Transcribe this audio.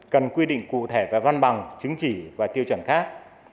cần quy định cụ thể về văn bằng chứng chỉ và tiêu chuẩn khác